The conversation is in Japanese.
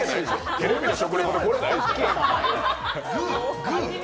テレビの食レポでそれないでしょう。